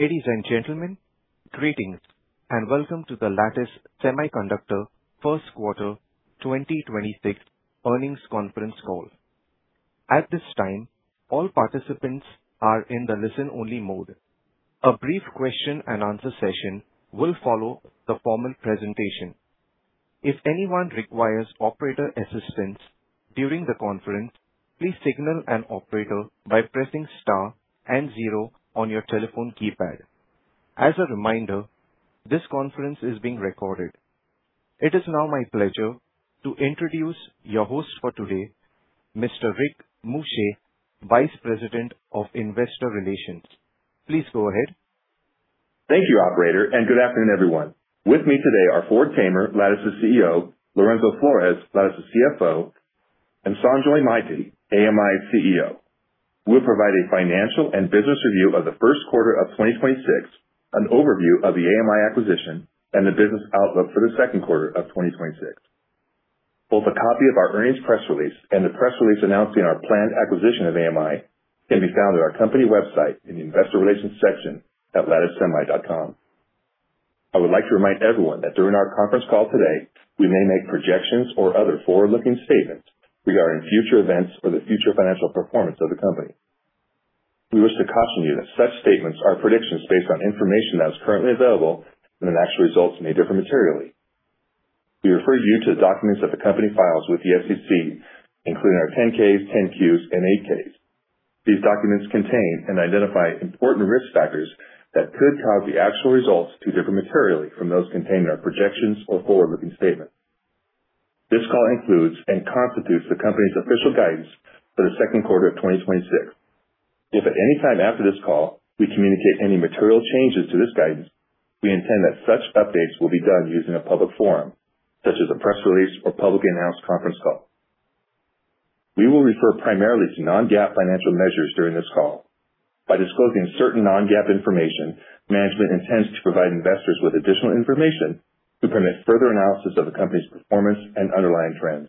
Ladies and gentlemen, greetings and welcome to the Lattice Semiconductor first quarter 2026 earnings conference call. At this time, all participants are in the listen-only mode. A brief question-and-answer session will follow the formal presentation. If anyone requires operator assistance during the conference, please signal an operator by pressing star and zero on your telephone keypad. As a reminder, this conference is being recorded. It is now my pleasure to introduce your host for today, Mr. Rick Muscha, Vice President of Investor Relations. Please go ahead. Thank you, operator, and good afternoon, everyone. With me today are Ford Tamer, Lattice's CEO, Lorenzo Flores, Lattice's CFO, and Sanjoy Maity, AMI's CEO. We'll provide a financial and business review of the first quarter of 2026, an overview of the AMI acquisition, and the business outlook for the second quarter of 2026. Both a copy of our earnings press release and the press release announcing our planned acquisition of AMI can be found at our company website in the Investor Relations section at latticesemi.com. I would like to remind everyone that during our conference call today, we may make projections or other forward-looking statements regarding future events or the future financial performance of the company. We wish to caution you that such statements are predictions based on information that's currently available and that actual results may differ materially. We refer you to the documents that the company files with the SEC, including our Form 10-K, Form 10-Q, and Form 8-K. These documents contain and identify important risk factors that could cause the actual results to differ materially from those contained in our projections or forward-looking statements. This call includes and constitutes the company's official guidance for the second quarter of 2026. If at any time after this call we communicate any material changes to this guidance, we intend that such updates will be done using a public forum such as a press release or publicly announced conference call. We will refer primarily to non-GAAP financial measures during this call. By disclosing certain non-GAAP information, management intends to provide investors with additional information to permit further analysis of the company's performance and underlying trends.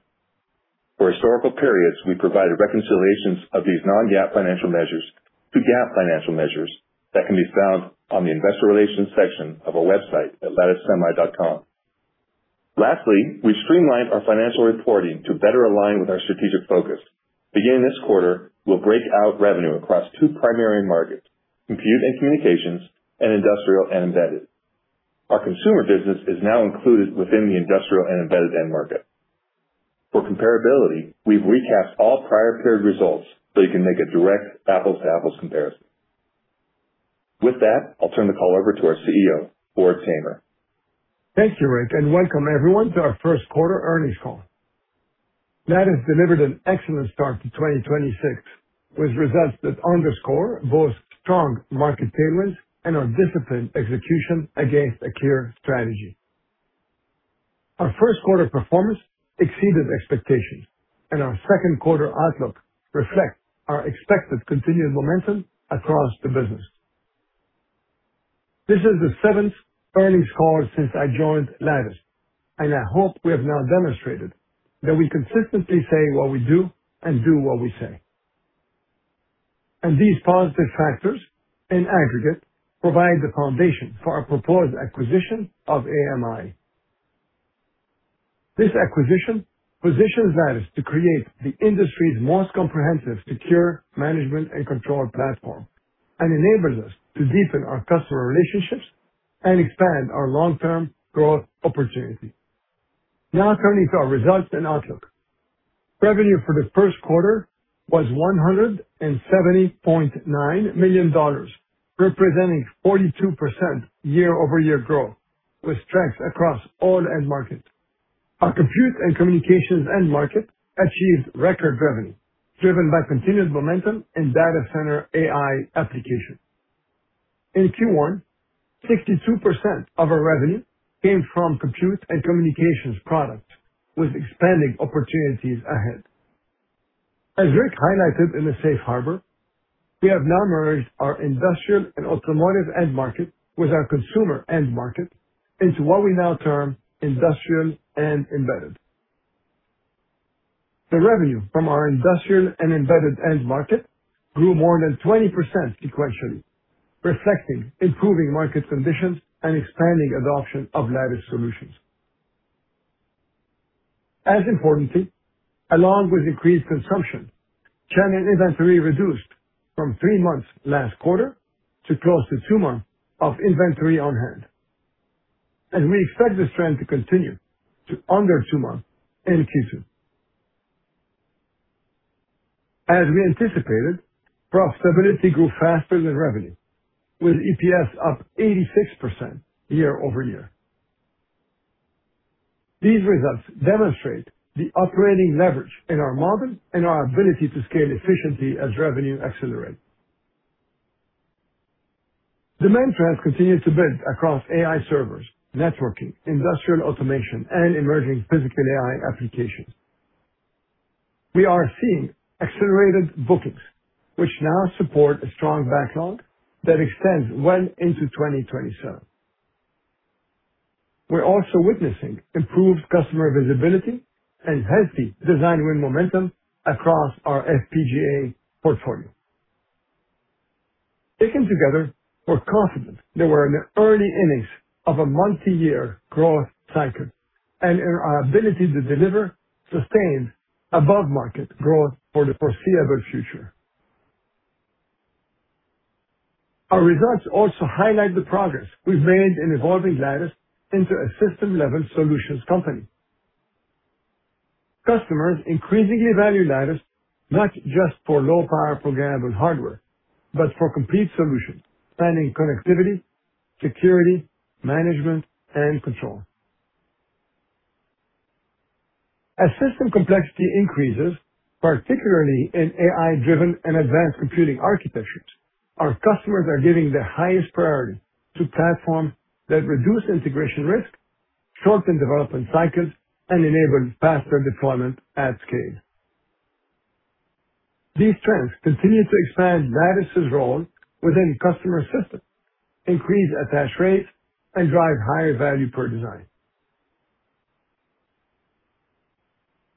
For historical periods, we provide reconciliations of these non-GAAP financial measures to GAAP financial measures that can be found on the Investor Relations section of our website at latticesemi.com. Lastly, we streamlined our financial reporting to better align with our strategic focus. Beginning this quarter, we'll break out revenue across two primary markets, Compute and Communications and Industrial and Embedded. Our consumer business is now included within the Industrial and Embedded end market. For comparability, we've recapped all prior period results so you can make a direct apples to apples comparison. With that, I'll turn the call over to our CEO, Ford Tamer. Thank you, Rick, and welcome everyone to our first quarter earnings call. Lattice delivered an excellent start to 2026, with results that underscore both strong market tailwinds and our disciplined execution against a clear strategy. Our first quarter performance exceeded expectations. Our second quarter outlook reflects our expected continued momentum across the business. This is the seventh earnings call since I joined Lattice. I hope we have now demonstrated that we consistently say what we do and do what we say. These positive factors in aggregate provide the foundation for our proposed acquisition of AMI. This acquisition positions Lattice to create the industry's most comprehensive, secure management and control platform and enables us to deepen our customer relationships and expand our long-term growth opportunities. Now turning to our results and outlook. Revenue for the first quarter was $170.9 million, representing 42% year-over-year growth with strength across all end markets. Our Compute and Communications end market achieved record revenue, driven by continued momentum in data center AI applications. In Q1, 62% of our revenue came from Compute and Communications products with expanding opportunities ahead. As Rick highlighted in the Safe Harbor, we have now merged our Industrial and Automotive end market with our Consumer end market into what we now term Industrial and Embedded. The revenue from our Industrial and Embedded end market grew more than 20% sequentially, reflecting improving market conditions and expanding adoption of Lattice solutions. As importantly, along with increased consumption, channel inventory reduced from three months last quarter to close to two months of inventory on hand, and we expect this trend to continue to under two months in Q2. As we anticipated, profitability grew faster than revenue, with EPS up 86% year-over-year. These results demonstrate the operating leverage in our model and our ability to scale efficiently as revenue accelerates. Demand trends continue to build across AI servers, networking, industrial automation, and emerging physical AI applications. We are seeing accelerated bookings, which now support a strong backlog that extends well into 2027. We're also witnessing improved customer visibility and healthy design win momentum across our FPGA portfolio. Taken together, we're confident that we're in the early innings of a multi-year growth cycle and in our ability to deliver sustained above-market growth for the foreseeable future. Our results also highlight the progress we've made in evolving Lattice into a system-level solutions company. Customers increasingly value Lattice not just for low-power programmable hardware, but for complete solutions spanning connectivity, security, management, and control. As system complexity increases, particularly in AI-driven and advanced computing architectures, our customers are giving their highest priority to platforms that reduce integration risk, shorten development cycles, and enable faster deployment at scale. These trends continue to expand Lattice's role within customer systems, increase attach rates, and drive higher value per design.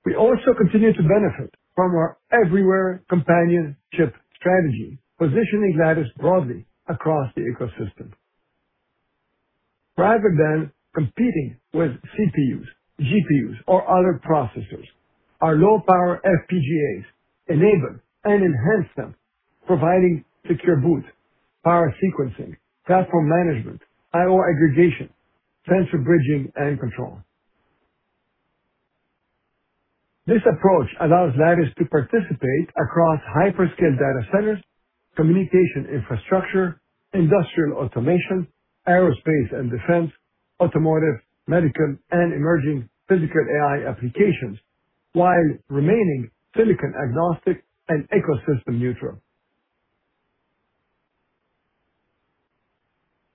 We also continue to benefit from our everywhere companion chip strategy, positioning Lattice broadly across the ecosystem. Rather than competing with CPUs, GPUs, or other processors, our low-power FPGAs enable and enhance them, providing Secure Boot, power sequencing, platform management, IO aggregation, sensor bridging, and control. This approach allows Lattice to participate across hyperscale data centers, communication infrastructure, industrial automation, aerospace and defense, automotive, medical, and emerging physical AI applications, while remaining silicon-agnostic and ecosystem neutral.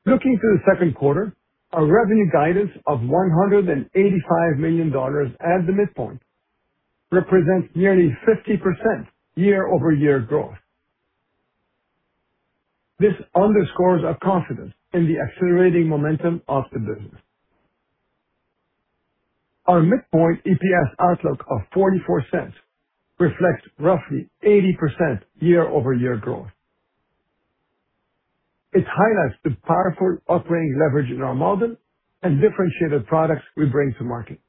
Looking to the second quarter, our revenue guidance of $185 million at the midpoint represents nearly 50% year-over-year growth. This underscores our confidence in the accelerating momentum of the business. Our midpoint EPS outlook of $0.44 reflects roughly 80% year-over-year growth. It highlights the powerful operating leverage in our model and differentiated products we bring to market.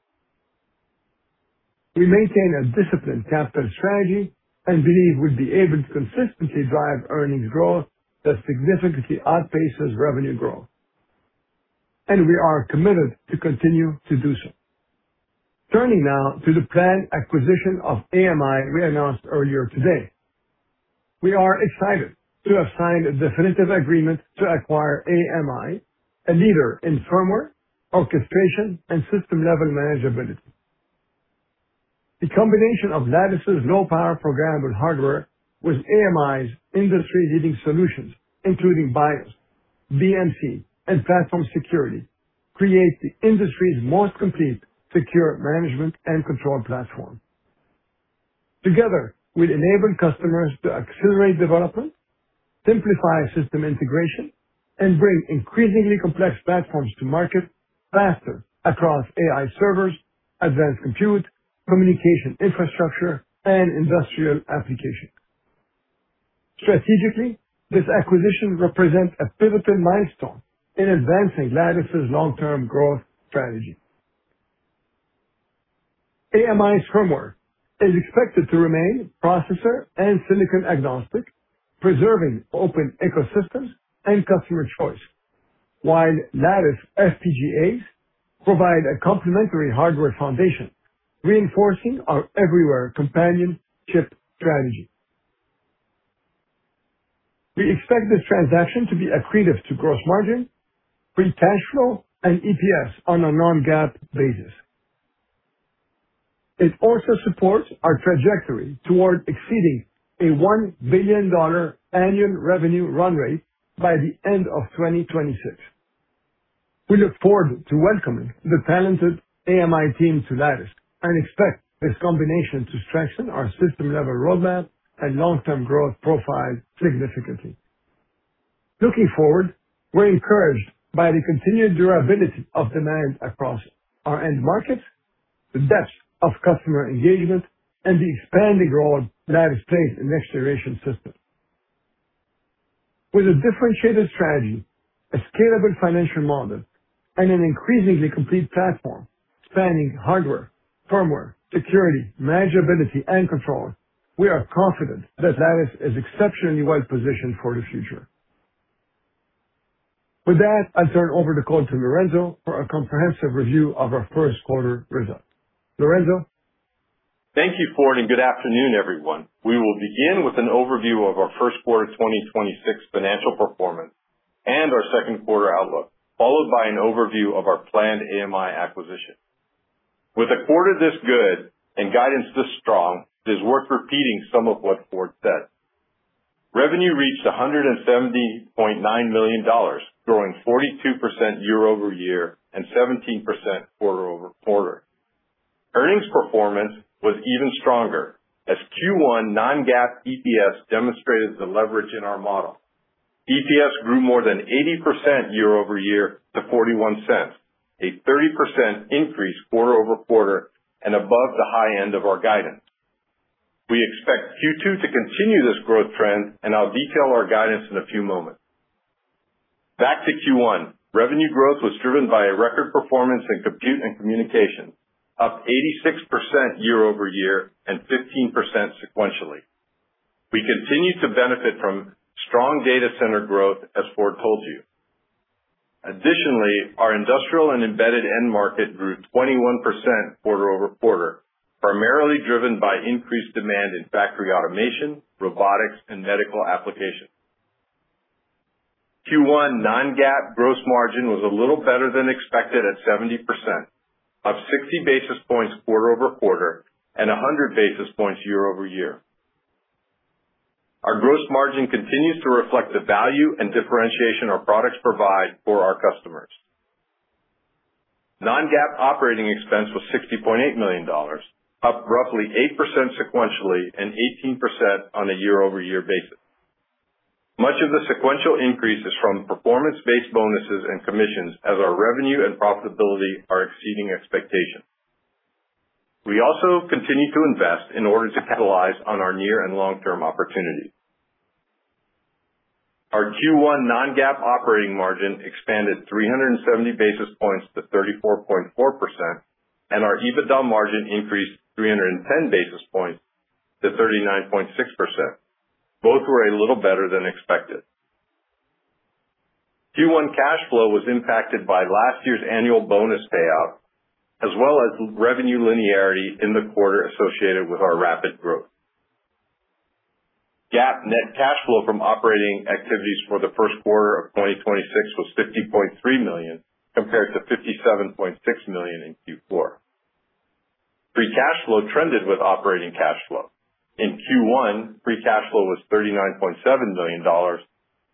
We maintain a disciplined capital strategy and believe we will be able to consistently drive earnings growth that significantly outpaces revenue growth, and we are committed to continue to do so. Turning now to the planned acquisition of AMI we announced earlier today. We are excited to have signed a definitive agreement to acquire AMI, a leader in firmware, orchestration, and system-level manageability. The combination of Lattice's low-power programmable hardware with AMI's industry-leading solutions, including BIOS, BMC, and platform security, create the industry's most complete secure management and control platform. Together, we'll enable customers to accelerate development, simplify system integration, and bring increasingly complex platforms to market faster across AI servers, advanced compute, communication infrastructure, and industrial applications. Strategically, this acquisition represents a pivotal milestone in advancing Lattice's long-term growth strategy. AMI's firmware is expected to remain processor and silicon-agnostic, preserving open ecosystems and customer choice, while Lattice FPGAs provide a complementary hardware foundation, reinforcing our everywhere companion chip strategy. We expect this transaction to be accretive to gross margin, free cash flow, and EPS on a non-GAAP basis. It also supports our trajectory toward exceeding a $1 billion annual revenue run rate by the end of 2026. We look forward to welcoming the talented AMI team to Lattice and expect this combination to strengthen our system-level roadmap and long-term growth profile significantly. Looking forward, we're encouraged by the continued durability of demand across our end markets, the depth of customer engagement, and the expanding role Lattice plays in next-generation systems. With a differentiated strategy, a scalable financial model, and an increasingly complete platform spanning hardware, firmware, security, manageability, and control, we are confident that Lattice is exceptionally well-positioned for the future. With that, I'll turn over the call to Lorenzo for a comprehensive review of our first quarter results. Lorenzo? Thank you, Ford, and good afternoon, everyone. We will begin with an overview of our first quarter 2026 financial performance and our second quarter outlook, followed by an overview of our planned AMI acquisition. With a quarter this good and guidance this strong, it is worth repeating some of what Ford said. Revenue reached $170.9 million, growing 42% year-over-year and 17% quarter-over-quarter. Earnings performance was even stronger as Q1 non-GAAP EPS demonstrated the leverage in our model. EPS grew more than 80% year-over-year to $0.41, a 30% increase quarter-over-quarter and above the high end of our guidance. We expect Q2 to continue this growth trend, and I'll detail our guidance in a few moments. Back to Q1. Revenue growth was driven by a record performance in Compute and Communications, up 86% year-over-year and 15% sequentially. We continue to benefit from strong data center growth, as Ford told you. Additionally, our Industrial and Embedded end market grew 21% quarter-over-quarter, primarily driven by increased demand in factory automation, robotics, and medical applications. Q1 non-GAAP gross margin was a little better than expected at 70%, up 60 basis points quarter-over-quarter and 100 basis points year-over-year. Our gross margin continues to reflect the value and differentiation our products provide for our customers. non-GAAP Operating Expense was $60.8 million, up roughly 8% sequentially and 18% on a year-over-year basis. Much of the sequential increase is from performance-based bonuses and commissions as our revenue and profitability are exceeding expectations. We also continue to invest in order to capitalize on our near and long-term opportunities. Our Q1 non-GAAP operating margin expanded 370 basis points to 34.4%, and our EBITDA margin increased 310 basis points to 39.6%. Both were a little better than expected. Q1 cash flow was impacted by last year's annual bonus payout, as well as revenue linearity in the quarter associated with our rapid growth. GAAP net cash flow from operating activities for the first quarter of 2026 was $50.3 million compared to $57.6 million in Q4. Free cash flow trended with operating cash flow. In Q1, free cash flow was $39.7 million,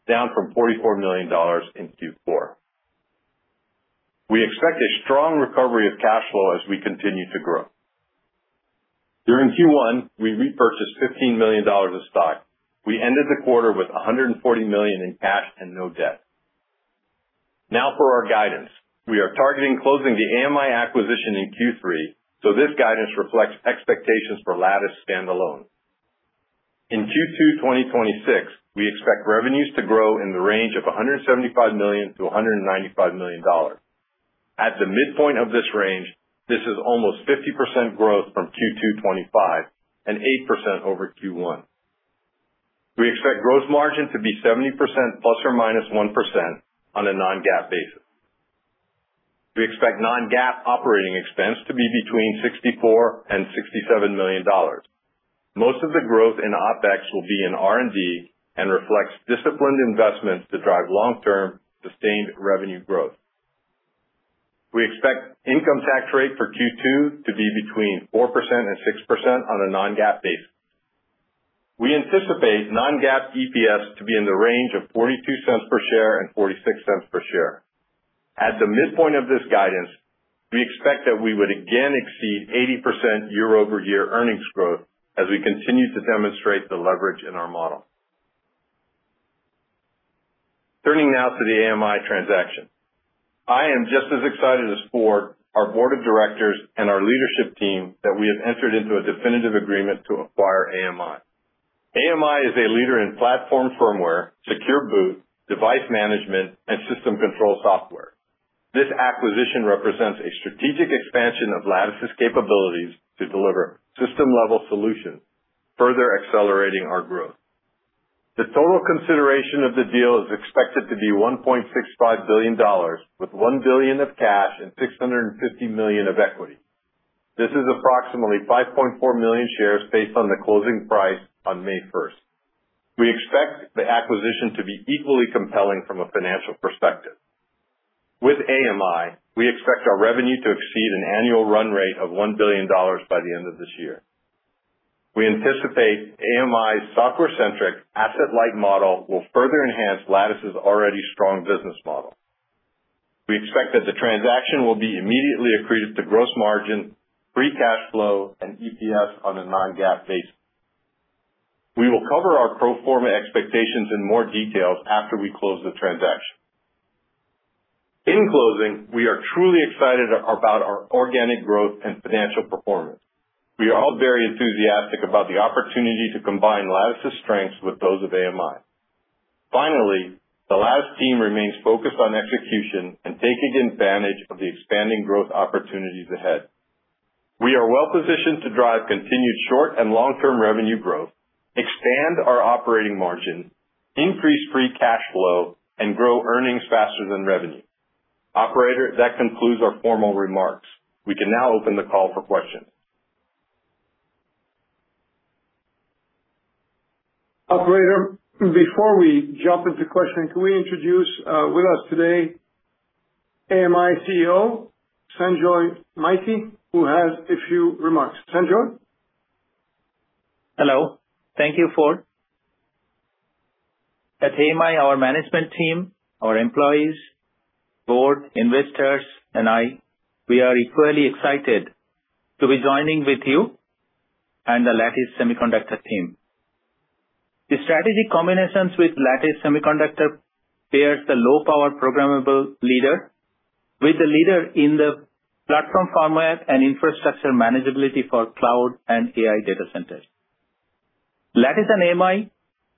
down from $44 million in Q4. We expect a strong recovery of cash flow as we continue to grow. During Q1, we repurchased $15 million of stock. We ended the quarter with $140 million in cash and no debt. For our guidance, we are targeting closing the AMI acquisition in Q3, so this guidance reflects expectations for Lattice standalone. In Q2 2026, we expect revenues to grow in the range of $175 million-$195 million. At the midpoint of this range, this is almost 50% growth from Q2 2025 and 8% over Q1. We expect gross margin to be 70% ±1% on a non-GAAP basis. We expect non-GAAP operating expense to be between $64 million-$67 million. Most of the growth in OpEx will be in R&D and reflects disciplined investments to drive long-term, sustained revenue growth. We expect income tax rate for Q2 to be between 4% and 6% on a non-GAAP basis. We anticipate non-GAAP EPS to be in the range of $0.42 per share and $0.46 per share. At the midpoint of this guidance, we expect that we would again exceed 80% year-over-year earnings growth as we continue to demonstrate the leverage in our model. Turning now to the AMI transaction. I am just as excited as Ford, our board of directors, and our leadership team that we have entered into a definitive agreement to acquire AMI. AMI is a leader in platform firmware, secure boot, device management, and system control software. This acquisition represents a strategic expansion of Lattice's capabilities to deliver system-level solutions, further accelerating our growth. The total consideration of the deal is expected to be $1.65 billion, with $1 billion of cash and $650 million of equity. This is approximately 5.4 million shares based on the closing price on May 1st. We expect the acquisition to be equally compelling from a financial perspective. With AMI, we expect our revenue to exceed an annual run rate of $1 billion by the end of this year. We anticipate AMI's software-centric, asset-light model will further enhance Lattice's already strong business model. We expect that the transaction will be immediately accretive to gross margin, free cash flow, and EPS on a non-GAAP basis. We will cover our pro forma expectations in more details after we close the transaction. In closing, we are truly excited about our organic growth and financial performance. We are all very enthusiastic about the opportunity to combine Lattice's strengths with those of AMI. Finally, the Lattice team remains focused on execution and taking advantage of the expanding growth opportunities ahead. We are well positioned to drive continued short and long-term revenue growth, expand our operating margin, increase free cash flow, and grow earnings faster than revenue. Operator, that concludes our formal remarks. We can now open the call for questions. Operator, before we jump into questions, can we introduce, with us today AMI CEO, Sanjoy Maity, who has a few remarks. Sanjoy? Hello. Thank you, Ford. At AMI, our management team, our employees, board, investors, and I, we are equally excited to be joining with you and the Lattice Semiconductor team. The strategic combinations with Lattice Semiconductor pairs the low power programmable leader with the leader in the platform firmware and infrastructure manageability for cloud and AI data centers. Lattice and AMI,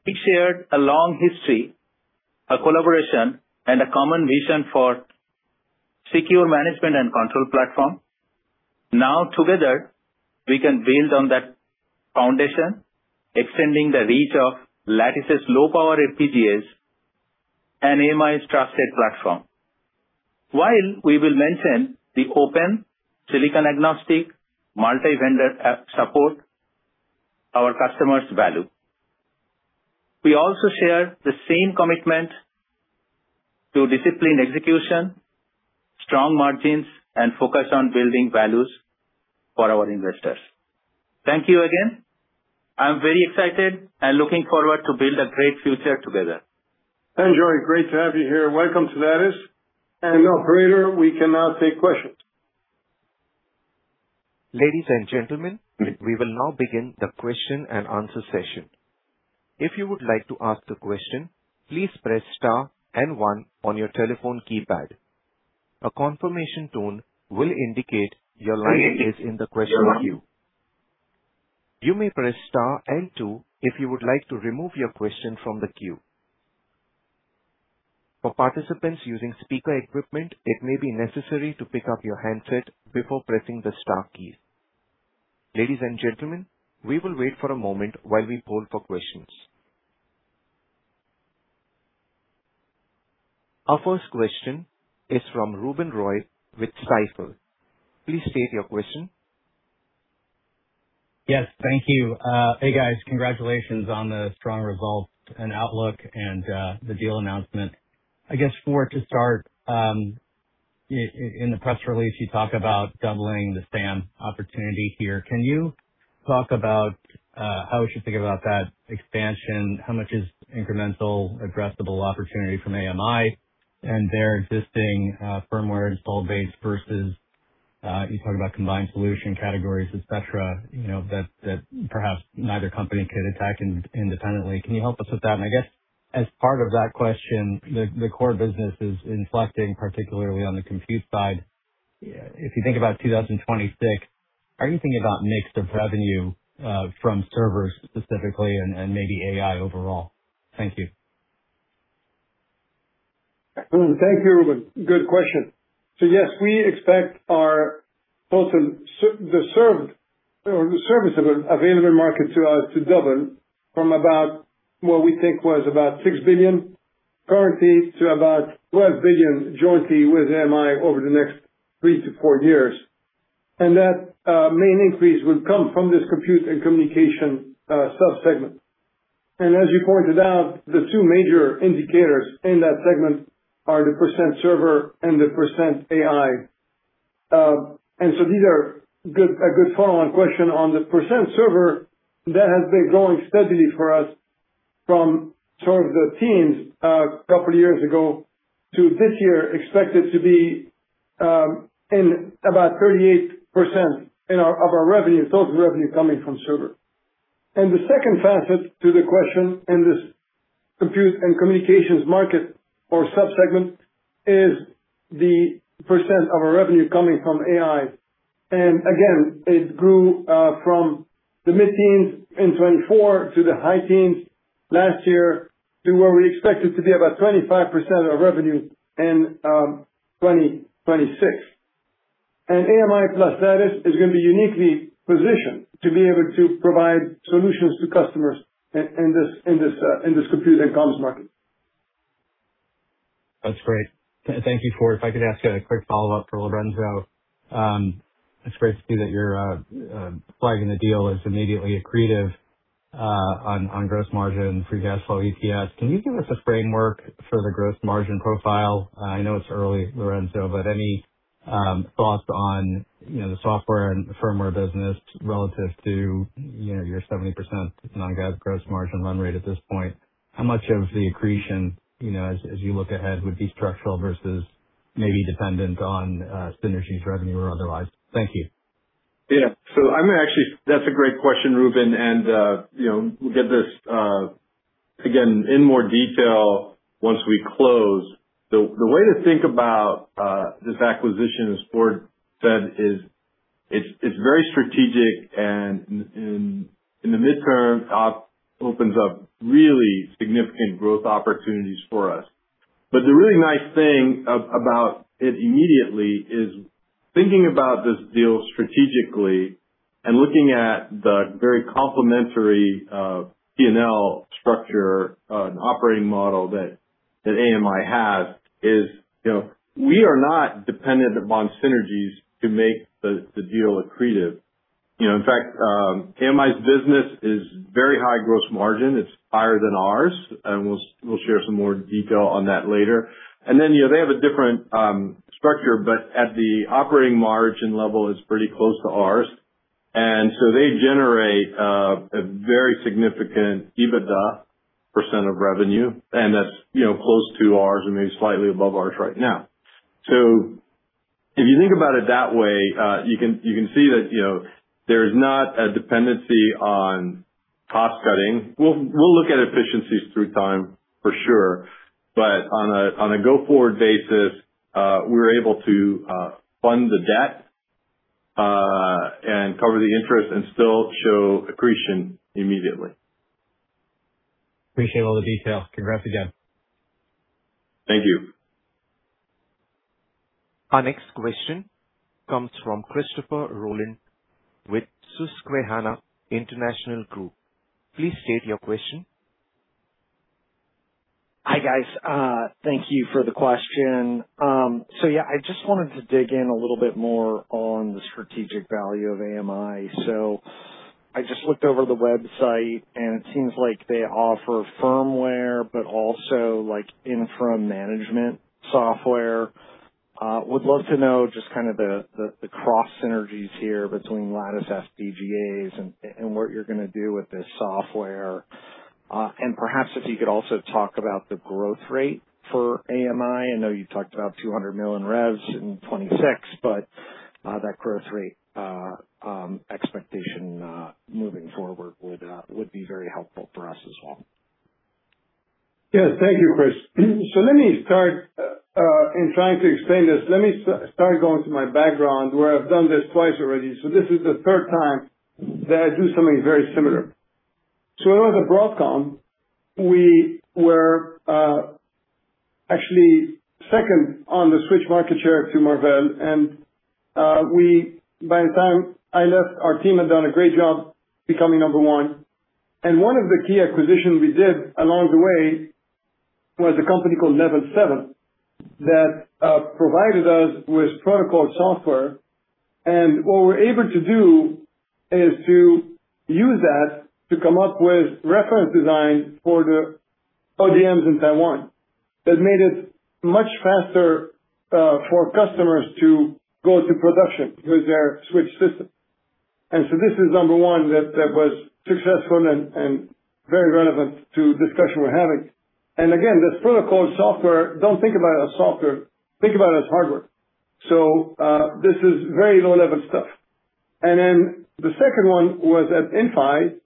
we shared a long history, a collaboration, and a common vision for secure management and control platform. Together, we can build on that foundation, extending the reach of Lattice's low power FPGAs and AMI's trusted platform. While we will maintain the open, silicon-agnostic, multi-vendor app support our customers value, we also share the same commitment to disciplined execution, strong margins, and focus on building values for our investors. Thank you again. I'm very excited and looking forward to build a great future together. Thanks, Sanjoy. Great to have you here. Welcome to Lattice. Now, operator, we can now take questions. Ladies and gentlemen, we will now begin the question-and-answer session. If you would like to ask a question, please press star and one on your telephone keypad. A confirmation tone will indicate your line is in the question queue. You may press star and two if you would like to remove your question from the queue. For participants using speaker equipment, it may be necessary to pick up your handset before pressing the star key. Ladies and gentlemen, we will wait for a moment while we poll for questions. Our first question is from Ruben Roy with Stifel. Please state your question. Yes, thank you. Hey, guys. Congratulations on the strong results and outlook and the deal announcement. I guess to start, in the press release, you talk about doubling the SAM opportunity here. Can you talk about how we should think about that expansion? How much is incremental addressable opportunity from AMI and their existing firmware install base versus you talk about combined solution categories, et cetera, you know, that perhaps neither company could attack independently. Can you help us with that? I guess as part of that question, the core business is inflecting, particularly on the Compute side. If you think about 2026, how are you thinking about mix of revenue from servers specifically and maybe AI overall? Thank you. Thank you, Ruben. Good question. Yes, we expect our both the service available market to double from about what we think was about $6 billion currently to about $12 billion jointly with AMI over the next three to four years. That main increase will come from this Compute and Communications sub-segment. As you pointed out, the two major indicators in that segment are the percent server and the percent AI. These are a good follow-on question on the percent server that has been growing steadily for us from sort of the teens a couple of years ago, to this year, expected to be in about 38% of our revenue, total revenue coming from server. The second facet to the question in this Compute and Communications market or sub-segment is the % of our revenue coming from AI. Again, it grew from the mid-teens in 2024 to the high teens last year to where we expect it to be about 25% of revenue in 2026. AMI plus Lattice is going to be uniquely positioned to be able to provide solutions to customers in this Compute and Comms market. That's great. Thank you. Ford, if I could ask a quick follow-up for Lorenzo. It's great to see that you're flagging the deal as immediately accretive on gross margin, free cash flow, EPS. Can you give us a framework for the gross margin profile? I know it's early, Lorenzo, but any thoughts on, you know, the software and firmware business relative to, you know, your 70% non-GAAP gross margin run rate at this point? How much of the accretion, you know, as you look ahead, would be structural versus maybe dependent on synergies, revenue or otherwise? Thank you. Yeah. That's a great question, Ruben, and, you know, we'll get this again in more detail once we close. The way to think about this acquisition, as Ford said is, it's very strategic and in the midterm opens up really significant growth opportunities for us. The really nice thing about it immediately is thinking about this deal strategically and looking at the very complementary P&L structure and operating model that AMI has is, you know, we are not dependent upon synergies to make the deal accretive. You know, in fact, AMI's business is very high gross margin. It's higher than ours. We'll share some more detail on that later. You know, they have a different structure, but at the operating margin level, it's pretty close to ours. They generate a very significant EBITDA percent of revenue, and that's, you know, close to ours and maybe slightly above ours right now. If you think about it that way, you can, you can see that, you know, there's not a dependency on cost cutting. We'll look at efficiencies through time for sure. On a go-forward basis, we're able to fund the debt and cover the interest and still show accretion immediately. Appreciate all the details. Congrats again. Thank you. Our next question comes from Christopher Rolland with Susquehanna International Group. Please state your question. Hi, guys. Thank you for the question. Yeah, I just wanted to dig in a little bit more on the strategic value of AMI. I just looked over the website and it seems like they offer firmware, but also like infra management software. Would love to know just kind of the cross synergies here between Lattice FPGAs and what you're gonna do with this software. Perhaps if you could also talk about the growth rate for AMI. I know you talked about $200 million revs in 2026, that growth rate expectation moving forward would be very helpful for us as well. Yes. Thank you, Chris. Let me start in trying to explain this. Let me start going through my background, where I've done this twice already. This is the third time that I do something very similar. When I was at Broadcom, we were actually second on the switch market share to Marvell. We by the time I left, our team had done a great job becoming number one. One of the key acquisitions we did along the way was a company called Level Seven that provided us with protocol software. What we're able to do is to use that to come up with reference design for the ODMs in Taiwan. That made it much faster for customers to go to production with their switch system. This is number one that was successful and very relevant to discussion we're having. Again, this protocol software, don't think about it as software, think about it as hardware. This is very low-level stuff. The second one was at Inphi,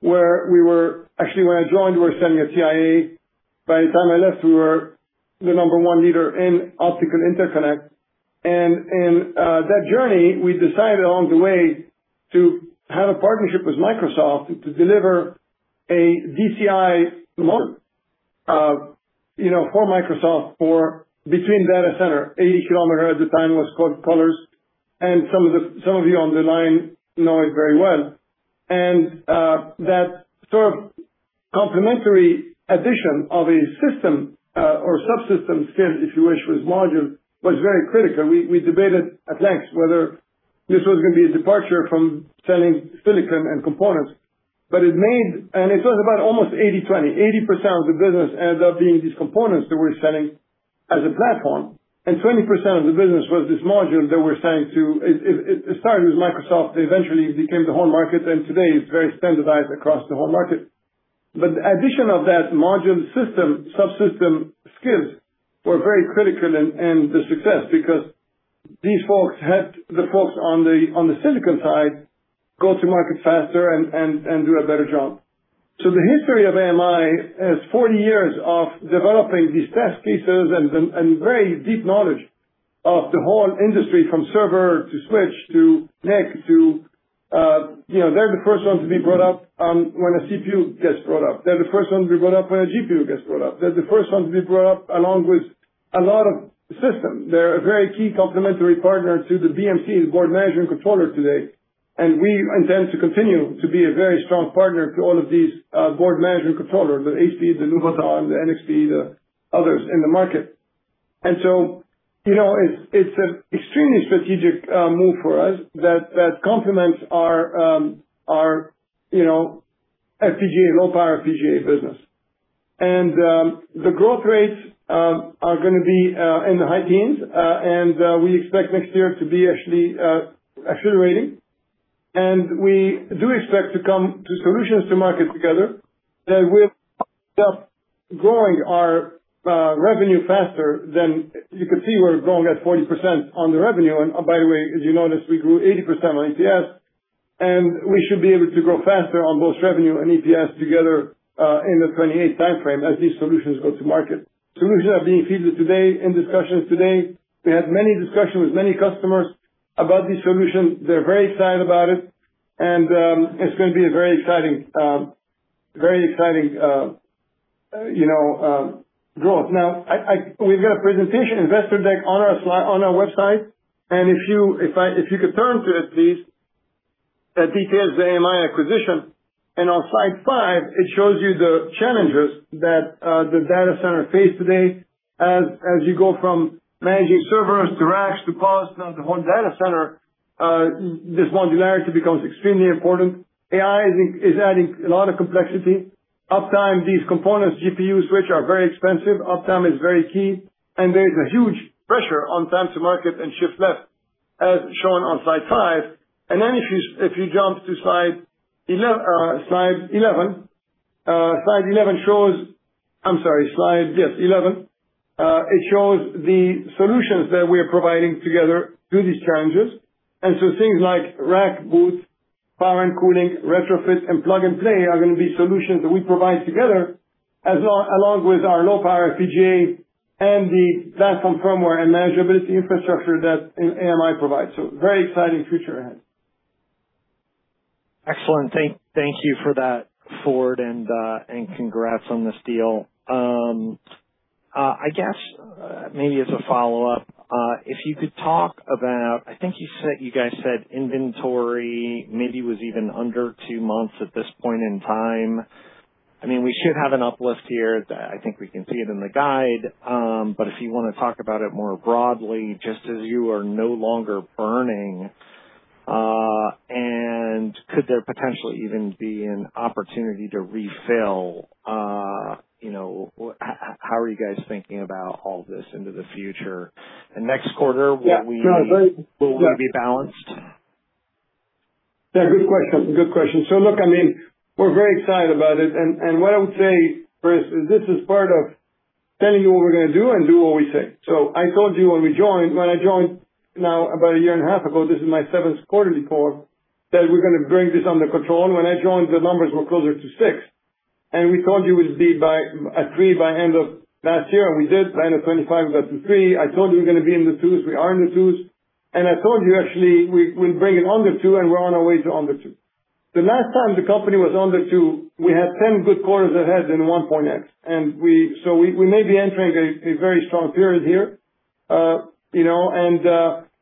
where we were. Actually, when I joined, we were second at CIA. By the time I left, we were the number one leader in optical interconnect. In that journey, we decided along the way to have a partnership with Microsoft to deliver a DCI model, you know, for Microsoft for between data center, 80 km at the time was called COLORZ, and some of you on the line know it very well. That sort of complementary addition of a system, or subsystem scale, if you wish, with module, was very critical. We debated at length whether this was gonna be a departure from selling silicon and components. It was about almost 80/20. 80% of the business ended up being these components that we're selling as a platform, and 20% of the business was this module that we're selling to. It started with Microsoft. They eventually became the whole market, and today it's very standardized across the whole market. The addition of that module system, subsystem skills were very critical in the success because these folks helped the folks on the silicon side go to market faster and do a better job. The history of AMI is 40 years of developing these test cases and very deep knowledge of the whole industry from server to switch to NIC to, you know, they're the first ones to be brought up when a CPU gets brought up. They're the first ones to be brought up when a GPU gets brought up. They're the first ones to be brought up along with a lot of systems. They're a very key complementary partner to the BMC, the Board Management Controller today. We intend to continue to be a very strong partner to all of these board management controllers, the HPs, the Nuvoton, the NXPs, the others in the market. You know, it's an extremely strategic move for us that complements our, you know, FPGA, low power FPGA business. The growth rates are gonna be in the high teens. We expect next year to be actually accelerating. We do expect to come to solutions to market together that will end up growing our revenue faster than. You can see we're growing at 40% on the revenue. By the way, as you noticed, we grew 80% on EPS, and we should be able to grow faster on both revenue and EPS together in the 2028 timeframe as these solutions go to market. Solutions are being featured today in discussions today. We had many discussions with many customers about these solutions. They're very excited about it, and it's gonna be a very exciting, very exciting, you know, growth. We've got a presentation investor deck on our slide on our website, and if you could turn to it please, that details the AMI acquisition. On slide five, it shows you the challenges that the data center face today. As you go from managing servers to racks, to pods, now the whole data center, this modularity becomes extremely important. AI is adding a lot of complexity. Uptime, these components, GPU switch are very expensive. Uptime is very key, and there is a huge pressure on time to market and shift left as shown on slide five. Then if you jump to slide 11. Slide 11 shows. I'm sorry. Slide, yes, 11. It shows the solutions that we are providing together to these challenges. Things like rack, booth, power and cooling, retrofit, and plug and play are gonna be solutions that we provide together along with our low power FPGA and the platform firmware and measurability infrastructure that AMI provides. Very exciting future ahead. Excellent. Thank you for that, Ford, and congrats on this deal. I guess, maybe as a follow-up, if you could talk about, I think you said, you guys said inventory maybe was even under two months at this point in time. I mean, we should have an uplift here. I think we can see it in the guide, but if you wanna talk about it more broadly, just as you are no longer burning, and could there potentially even be an opportunity to refill? You know, how are you guys thinking about all this into the future? Yeah. No. Next quarter, will we be balanced? Yeah, good question. Good question. Look, I mean, we're very excited about it. What I would say, Chris, is this is part of telling you what we're gonna do and do what we say. I told you when we joined, when I joined now about a year and a half ago, this is my seventh quarterly report, that we're gonna bring this under control. When I joined, the numbers were closer to six, and we told you we'll be at three by end of last year, and we did. Plan of 2025, we got to three. I told you we're gonna be in the twos. We are in the twos. I told you actually we'll bring it under two, and we're on our way to under two. The last time the company was under two, we had 10 good quarters ahead and 1.X. We may be entering a very strong period here. You know,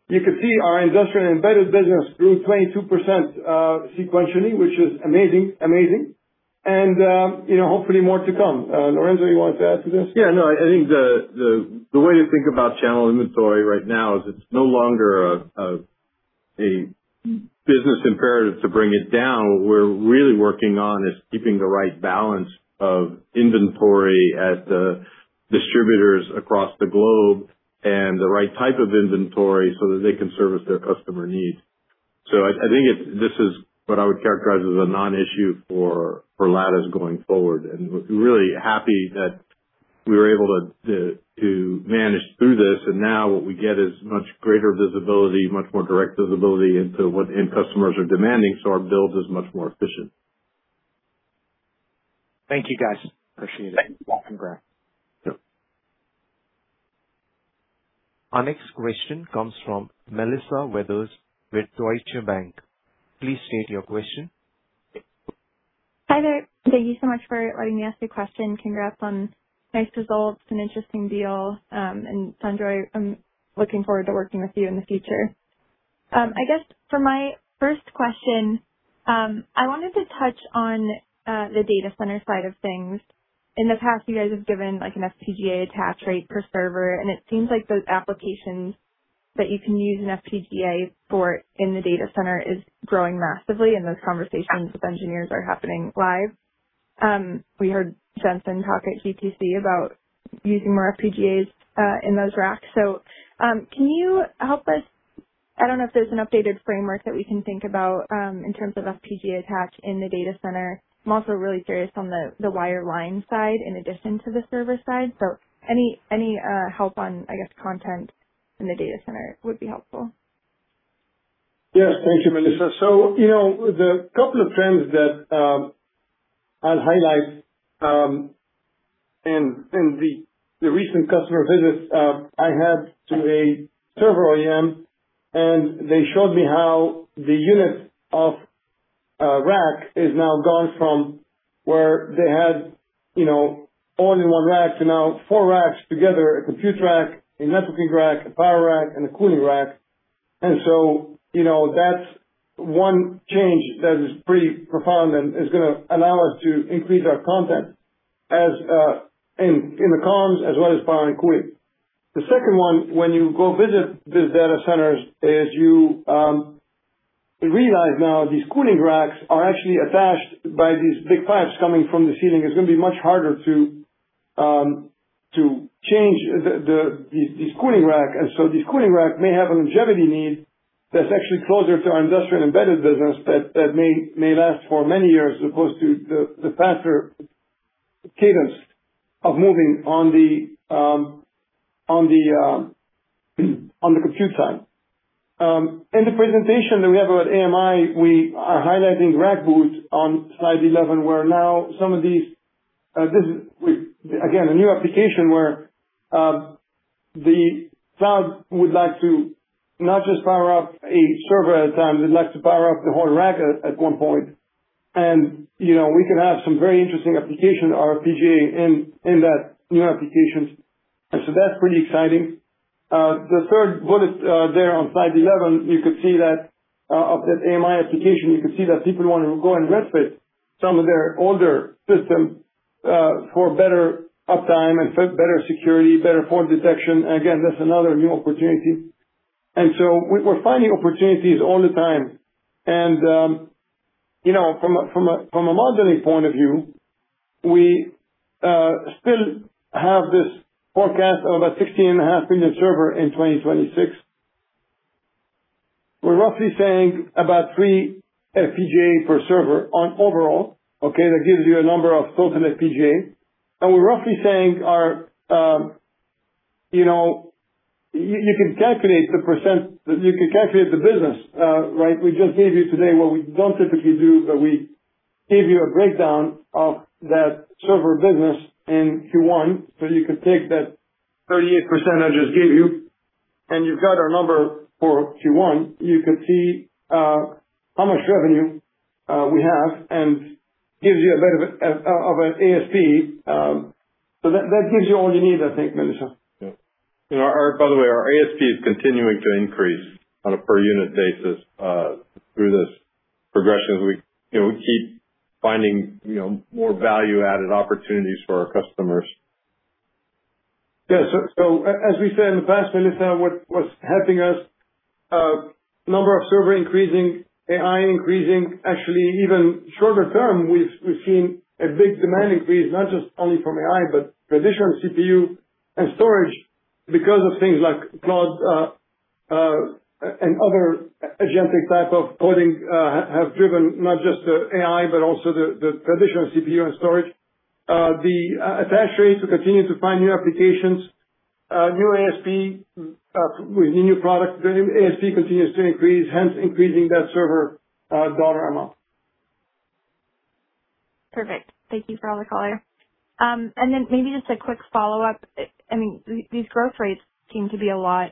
you can see our Industrial and Embedded business grew 22% sequentially, which is amazing. Amazing. You know, hopefully more to come. Lorenzo, you want to add to this? I think the way to think about channel inventory right now is it's no longer a business imperative to bring it down. What we're really working on is keeping the right balance of inventory at the distributors across the globe and the right type of inventory so that they can service their customer needs. I think it's this is what I would characterize as a non-issue for Lattice going forward. We're really happy that we were able to manage through this. Now what we get is much greater visibility, much more direct visibility into what end customers are demanding, so our build is much more efficient. Thank you, guys. Appreciate it. Thanks. Congrats. Yep. Our next question comes from Melissa Weathers with Deutsche Bank. Please state your question. Hi there. Thank you so much for letting me ask a question. Congrats on nice results and interesting deal. Sanjoy, I'm looking forward to working with you in the future. I guess for my first question, I wanted to touch on the data center side of things. In the past, you guys have given, like, an FPGA attach rate per server, and it seems like those applications that you can use an FPGA for in the data center is growing massively, and those conversations with engineers are happening live. We heard Jensen talk at GTC about using more FPGAs in those racks. Can you help us? I don't know if there's an updated framework that we can think about in terms of FPGA attach in the data center. I'm also really curious on the wireline side in addition to the server side. Any help on, I guess, content in the data center would be helpful. Yes. Thank you, Melissa. You know, the couple of trends that I'll highlight in the recent customer visits I had to a server AM, and they showed me how the unit of rack is now gone from where they had, you know, only one rack to now four racks together. A compute rack, a networking rack, a power rack, and a cooling rack. You know, that's one change that is pretty profound and is gonna allow us to increase our content as in the comms as well as power and cooling. The second one, when you go visit these data centers, is you realize now these cooling racks are actually attached by these big pipes coming from the ceiling. It's gonna be much harder to change these cooling rack. These cooling rack may have a longevity need that's actually closer to our Industrial and Embedded business that may last for many years as opposed to the faster cadence of moving on the Compute side. In the presentation that we have at AMI, we are highlighting rack boots on slide 11, where now some of these, again, a new application where the cloud would like to not just power up a server at a time, they'd like to power up the whole rack at one point. You know, we can have some very interesting application FPGA in that new applications. That's pretty exciting. The third bullet there on slide 11, you could see that of that AMI application, you can see that people want to go and retrofit some of their older systems for better uptime and better security, better port detection. Again, that's another new opportunity. We're finding opportunities all the time. From a modeling point of view, we still have this forecast of a 16.5 million server in 2026. We're roughly saying about three FPGA per server on overall, okay? That gives you a number of total FPGA. We're roughly saying our, you know, you can calculate the percent. You can calculate the business, right? We just gave you today what we don't typically do, is that we gave you a breakdown of that server business in Q1. You could take that 38% I just gave you, and you've got our number for Q1, you can see, how much revenue, we have and gives you a bit of an ASP, so that gives you all you need, I think, Melissa. Yeah. Our, by the way, our ASP is continuing to increase on a per unit basis through this progression as we, you know, we keep finding, you know, more value-added opportunities for our customers. Yeah. As we said in the past, Melissa, what was helping us, number of server increasing, AI increasing. Actually, even shorter term, we've seen a big demand increase, not just only from AI, but traditional CPU and storage because of things like cloud and other agentic type of coding have driven not just the AI, but also the traditional CPU and storage. The attach rates, we continue to find new applications, new ASP, with the new product. The ASP continues to increase, hence increasing that server dollar amount. Perfect. Thank you for all the color. Maybe just a quick follow-up. I mean, these growth rates seem to be a lot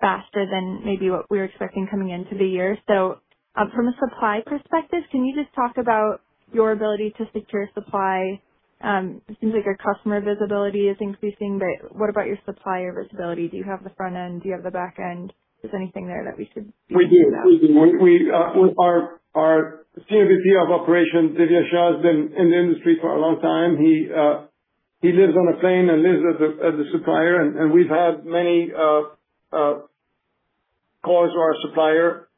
faster than maybe what we were expecting coming into the year. From a supply perspective, can you just talk about your ability to secure supply? It seems like your customer visibility is increasing, but what about your supplier visibility? Do you have the front end? Do you have the back end? Is there anything there that we should know? We do. We do. Our SVP of operations, Divyesh Shah, has been in the industry for a long time. He lives on a plane and lives as a, as a supplier, and we've had many calls to our supplier.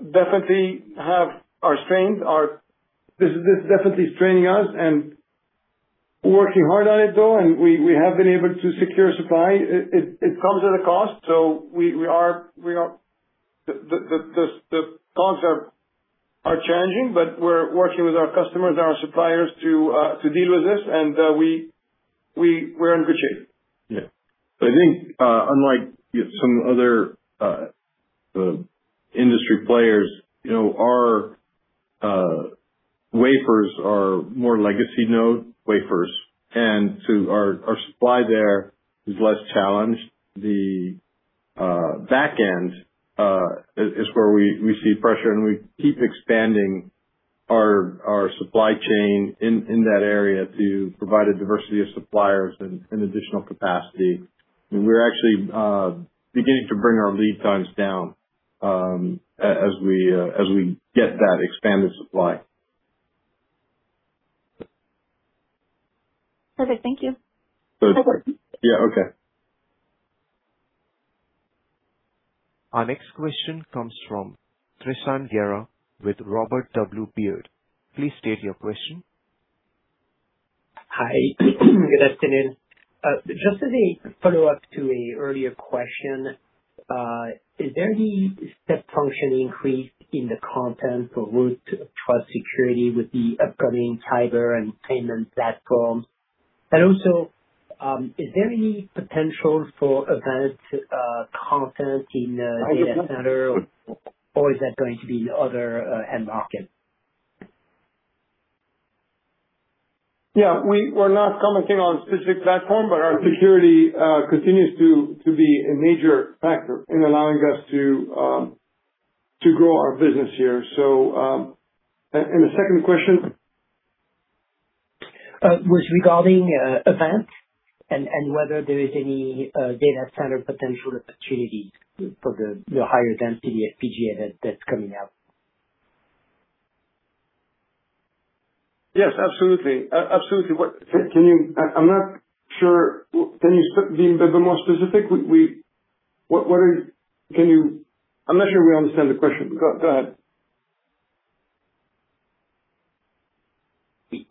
Definitely have our strengths. This definitely is training us and working hard on it, though, and we have been able to secure supply. It comes at a cost. The costs are changing, but we're working with our customers and our suppliers to deal with this, and we're in good shape. Yeah. I think, unlike some other industry players, you know, our wafers are more legacy node wafers, our supply there is less challenged. The back end is where we see pressure, and we keep expanding our supply chain in that area to provide a diversity of suppliers and additional capacity. We're actually beginning to bring our lead times down as we get that expanded supply. Perfect. Thank you. Over. Yeah. Okay. Our next question comes from Tristan Gerra with Robert W. Baird. Please state your question. Hi. Good afternoon. Just as a follow-up to a earlier question, is there any step function increase in the content for Root of Trust security with the upcoming cyber and payment platform? Is there any potential for advanced content in the data center or is that going to be other end market? Yeah. We're not commenting on specific platform, but our security continues to be a major factor in allowing us to grow our business here. The second question? It was regarding Avant and whether there is any data center potential opportunities for the higher dense FPGA that's coming out. Yes, absolutely. Absolutely. I'm not sure. Can you be a bit more specific? I'm not sure we understand the question. Go ahead.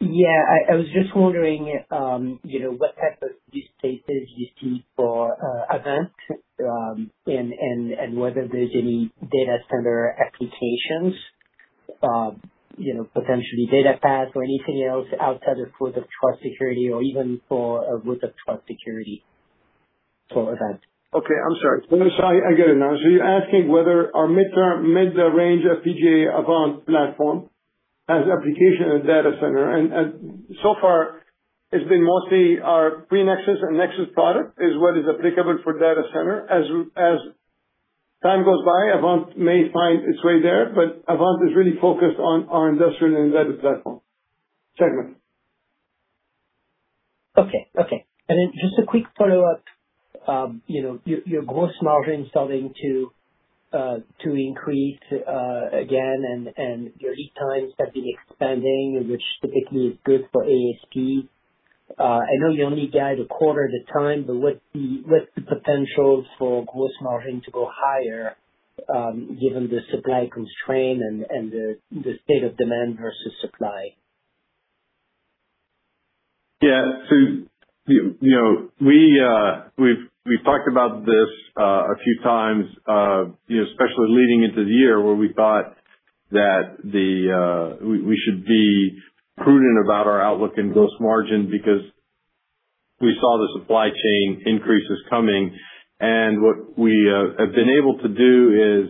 Yeah. I was just wondering, you know, what type of use cases you see for Avant, and whether there's any data center applications, you know, potentially data paths or anything else outside of Root of Trust security or even for a Root of Trust security for Avant? Okay. I'm sorry. I get it now. You're asking whether our mid-term, mid-range FPGA Avant platform has application in data center. So far it's been mostly our Pre-Nexus and Nexus product is what is applicable for data center. As time goes by, Avant may find its way there, Avant is really focused on our Industrial and Embedded platform segment. Okay. Okay. Then just a quick follow-up. You know, your gross margin starting to increase again, and your lead times have been expanding, which typically is good for ASP. I know you only guide a quarter at a time, but what's the, what's the potential for gross margin to go higher, given the supply constraint and the state of demand versus supply? Yeah. You know, we've talked about this a few times, you know, especially leading into the year where we thought that we should be prudent about our outlook in gross margin because we saw the supply chain increases coming. What we have been able to do is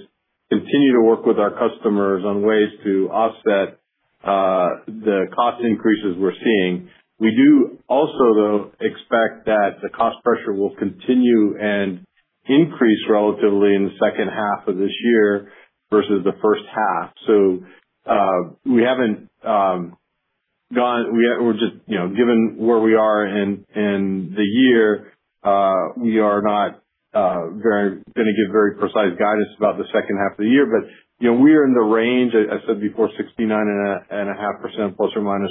continue to work with our customers on ways to offset the cost increases we're seeing. We do also, though, expect that the cost pressure will continue and increase relatively in the second half of this year versus the first half. We haven't. We're just, you know, given where we are in the year, we are not gonna give very precise guidance about the second half of the year. You know, we are in the range, as I said before, 69.5%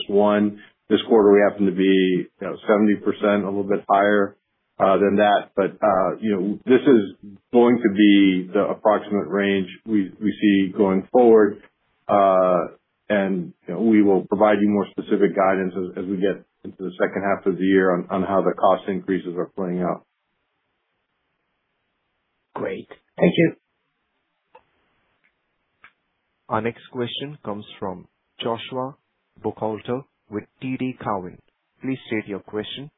±1%. This quarter we happen to be, you know, 70%, a little bit higher than that. You know, this is going to be the approximate range we see going forward. You know, we will provide you more specific guidance as we get into the second half of the year on how the cost increases are playing out. Great. Thank you. Our next question comes from Joshua Buchalter with TD Cowen. Please state your question.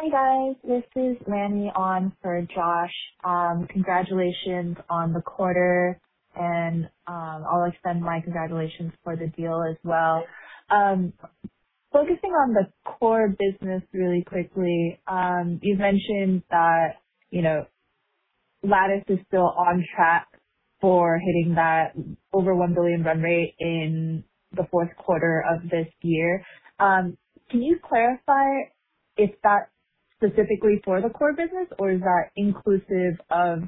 Hey, guys. This is Lannie on for Josh. Congratulations on the quarter, and I'll extend my congratulations for the deal as well. Focusing on the core business really quickly, you've mentioned that, you know, Lattice is still on track for hitting that over $1 billion run rate in the fourth quarter of this year. Can you clarify if that's specifically for the core business or is that inclusive of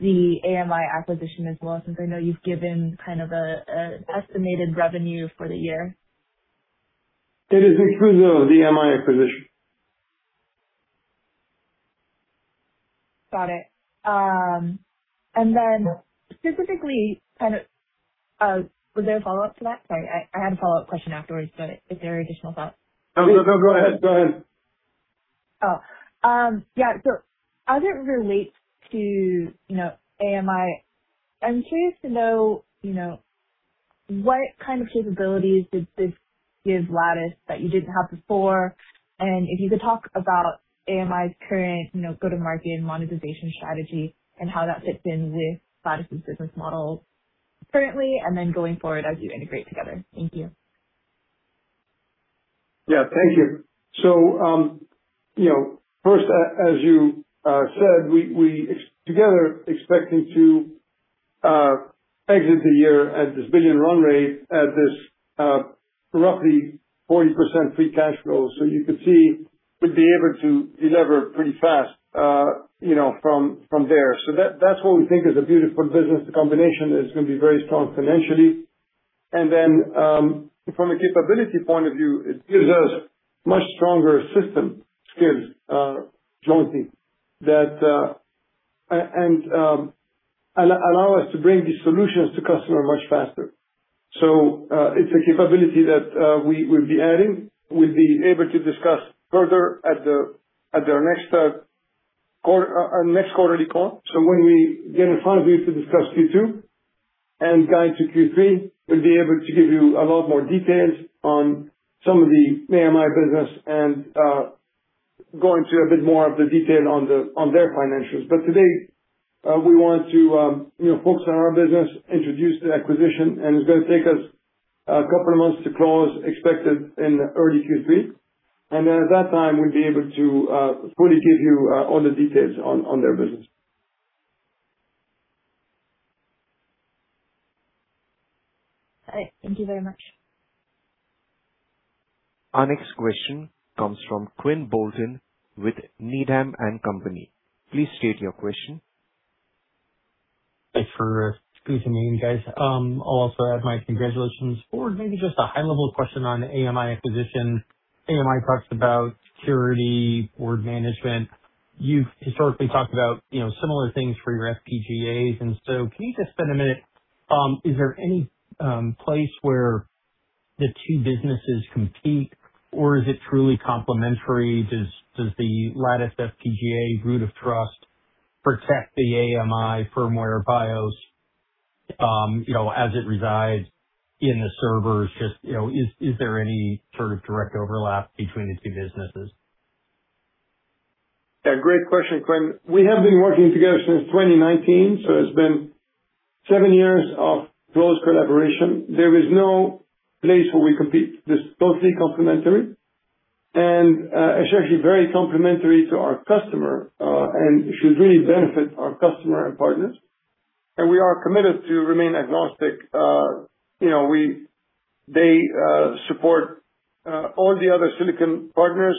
the AMI acquisition as well, since I know you've given kind of a estimated revenue for the year? It is exclusive of the AMI acquisition. Got it. Specifically kind of, was there a follow-up to that? Sorry, I had a follow-up question afterwards, is there any additional thoughts? No, no, go ahead. Go ahead. Yeah, as it relates to, you know, AMI, I'm curious to know, you know, what kind of capabilities does this give Lattice that you didn't have before? If you could talk about AMI's current, you know, go-to-market and monetization strategy and how that fits in with Lattice's business model currently and then going forward as you integrate together. Thank you. Yeah. Thank you. You know, first, as you said, we together expecting to exit the year at this $1 billion run rate at this roughly 40% free cash flow. You could see we'd be able to deliver pretty fast, you know, from there. That's what we think is a beautiful business. The combination is gonna be very strong financially. Then, from a capability point of view, it gives us much stronger system skills, jointly, that and allow us to bring these solutions to customer much faster. It's a capability that we'll be adding. We'll be able to discuss further at our next quarterly call. When we get in front of you to discuss Q2 and guide to Q3, we'll be able to give you a lot more details on some of the AMI business and go into a bit more of the detail on their financials. Today, we want to, you know, focus on our business, introduce the acquisition, and it's going to take us two months to close, expected in early Q3. At that time, we'll be able to fully give you all the details on their business. All right. Thank you very much. Our next question comes from Quinn Bolton with Needham & Company. Please state your question. Thanks for squeezing me in, guys. I'll also add my congratulations. For maybe just a high-level question on AMI acquisition. AMI talks about security board management. You've historically talked about, you know, similar things for your FPGAs. Can you just spend a minute, is there any place where the two businesses compete, or is it truly complementary? Does the Lattice FPGA Root of Trust protect the AMI firmware BIOS, you know, as it resides in the servers? Just, you know, is there any sort of direct overlap between the two businesses? Yeah, great question, Quinn. We have been working together since 2019, so it's been seven years of close collaboration. There is no place where we compete. This is totally complementary. It's actually very complementary to our customer and should really benefit our customer and partners. We are committed to remain agnostic. You know, they support all the other silicon partners,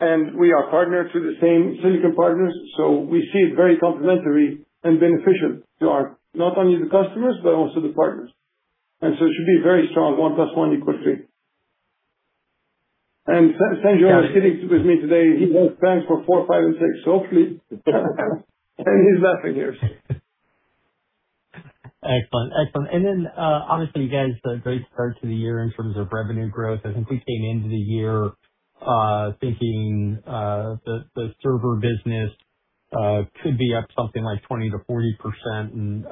and we are partnered through the same silicon partners, so we see it very complementary and beneficial to our, not only the customers, but also the partners. It should be very strong, 1 + 1 = 3. Sanjoy is sitting with me today. He has plans for four, five, and six. He's laughing here. Excellent. Excellent. Then, honestly, you guys had a great start to the year in terms of revenue growth. I think we came into the year, thinking, the server business could be up something like 20%-40% in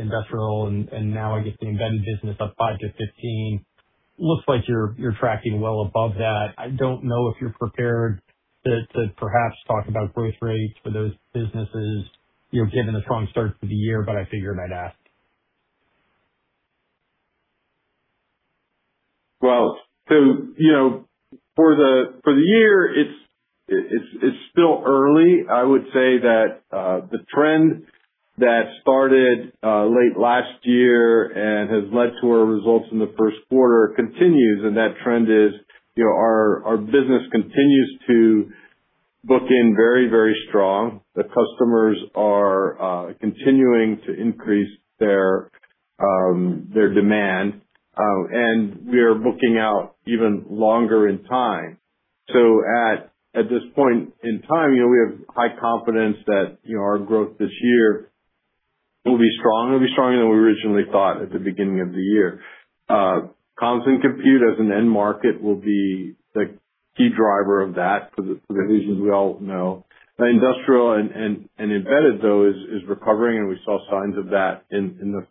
Industrial, and now I guess the Embedded business up 5%-15%. Looks like you're tracking well above that. I don't know if you're prepared to perhaps talk about growth rates for those businesses, you know, given the strong start to the year, but I figured I'd ask. Well, you know, for the, for the year, it's still early. I would say that the trend that started late last year and has led to our results in the first quarter continues. That trend is, you know, our business continues to book in very, very strong. The customers are continuing to increase their demand. We are booking out even longer in time. At this point in time, you know, we have high confidence that, you know, our growth this year will be strong. It'll be stronger than we originally thought at the beginning of the year. Comms and Compute as an end market will be the key driver of that for the reasons we all know. The Industrial and Embedded, though, is recovering, and we saw signs of that in the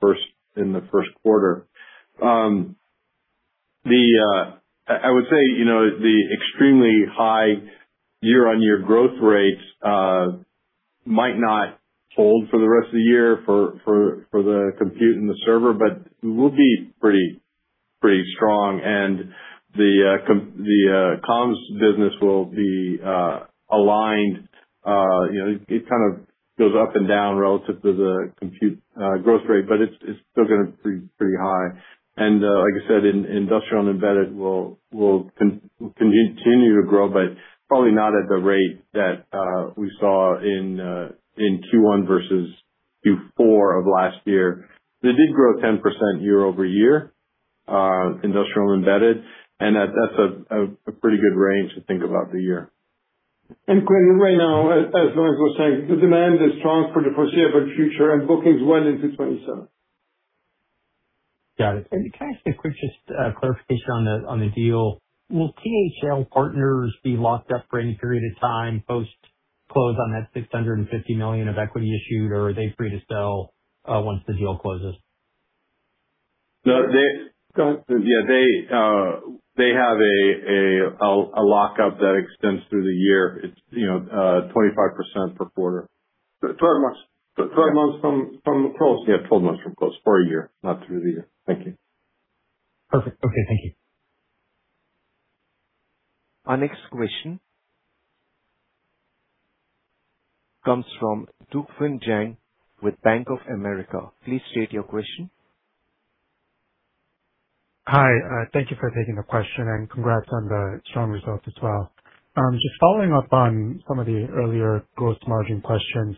first quarter. I would say, you know, the extremely high year-over-year growth rates might not hold for the rest of the year for the compute and the server, but we will be pretty strong. The comms business will be aligned. You know, it kind of goes up and down relative to the compute growth rate, but it's still gonna be pretty high. Like I said, Industrial and Embedded will continue to grow, but probably not at the rate that we saw in Q1 versus Q4 of last year. They did grow 10% year-over-year, Industrial and Embedded, and that's a pretty good range to think about the year. Quinn, right now, as Lorenzo was saying, the demand is strong for the foreseeable future and bookings well into 2027. Got it. Can I ask a quick just clarification on the deal? Will THL Partners be locked up for any period of time post-close on that $650 million of equity issued, or are they free to sell once the deal closes? No, they. Go ahead. Yeah, they have a lockup that extends through the year. It's, you know, 25% per quarter. 12 months. 12 months from close. Yeah, twelve months from close, for a year, not through the year. Thank you. Perfect. Okay, thank you. Our next question comes from Duksan Jang with Bank of America. Please state your question. Hi, thank you for taking the question and congrats on the strong results as well. Just following up on some of the earlier gross margin questions.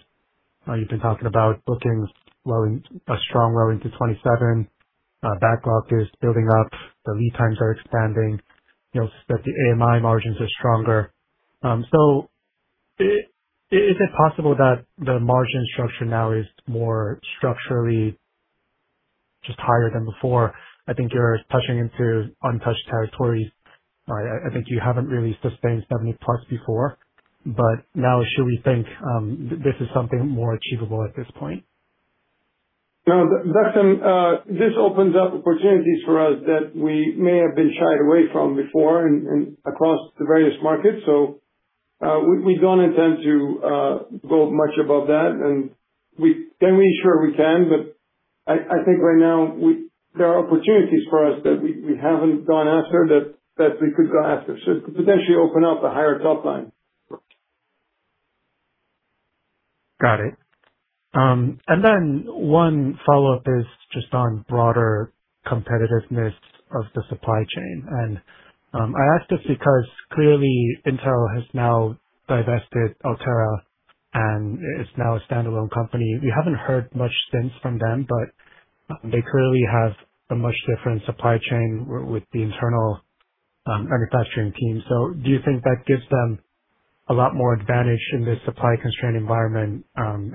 You've been talking about bookings strong well into 2027. Backlog is building up. The lead times are expanding. You know, that the AMI margins are stronger. Is it possible that the margin structure now is more structurally just higher than before? I think you haven't really sustained 70%+ before, now should we think this is something more achievable at this point? No, that's an. This opens up opportunities for us that we may have been shied away from before and across the various markets. We don't intend to go much above that, and we can we? Sure, we can. I think right now there are opportunities for us that we haven't gone after that we could go after. It could potentially open up a higher top line. Got it. Then one follow-up is just on broader competitiveness of the supply chain. I ask this because clearly Intel has now divested Altera, and it's now a standalone company. We haven't heard much since from them, but they clearly have a much different supply chain with the internal manufacturing team. Do you think that gives them a lot more advantage in this supply constraint environment? And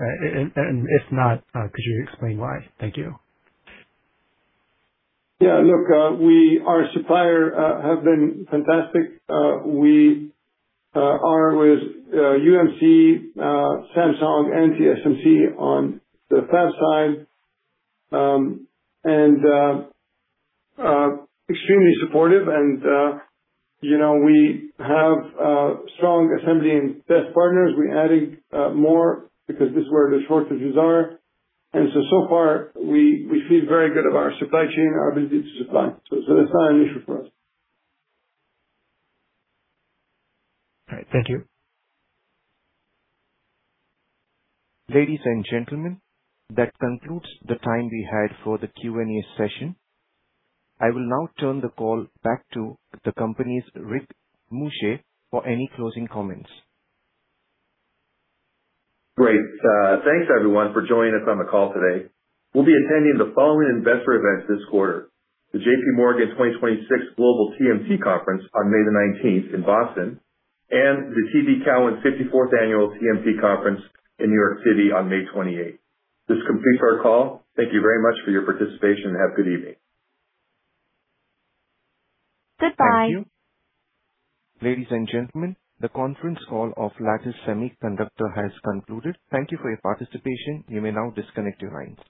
if not, could you explain why? Thank you. Yeah. Look, our supplier have been fantastic. We are with UMC, Samsung, and TSMC on the fab side. extremely supportive and, you know, we have strong assembly and test partners. We're adding more because this is where the shortages are. So far, we feel very good of our supply chain and our ability to supply. That's not an issue for us. All right. Thank you. Ladies and gentlemen, that concludes the time we had for the Q&A session. I will now turn the call back to the company's Rick Muscha for any closing comments. Great. Thanks everyone for joining us on the call today. We'll be attending the following investor events this quarter: the JPMorgan 2026 Global TMT Conference on May 19th in Boston and the TD Cowen 54th Annual TMT Conference in New York City on May 28th. This completes our call. Thank you very much for your participation and have a good evening. Thank you. Ladies and gentlemen, the conference call of Lattice Semiconductor has concluded. Thank you for your participation. You may now disconnect your lines.